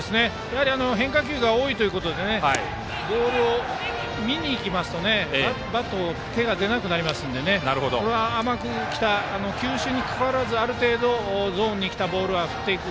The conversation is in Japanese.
変化球が多いということでボールを見に行きますとバット、手が出なくなりますので球種にかかわらずある程度ゾーンに来たボールは振っていく。